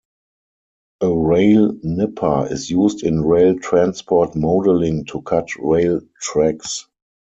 A rail nipper is used in rail transport modelling to cut rail tracks.